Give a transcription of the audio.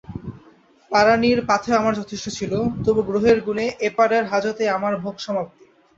পারানির পাথেয় আমার যথেষ্ট ছিল, তবু গ্রহের গুণে এপারের হাজতেই আমার ভোগসমাপ্তি।